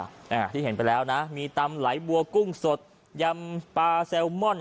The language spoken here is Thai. อ่าที่เห็นไปแล้วนะมีตำไหลบัวกุ้งสดยำปลาแซลมอน